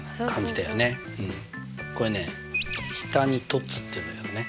これね下に凸っていうんだけどね。